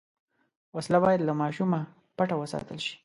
وسله باید له ماشومه پټه وساتل شي